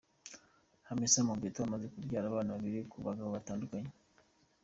Hamisa Mobetto amaze kubyara abana babiri ku bagabo batandukanye.